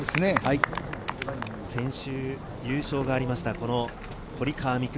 先週、優勝がありました堀川未来